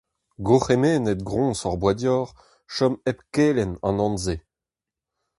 Gourc’hemennet groñs hor boa deoc’h chom hep kelenn an anv-se.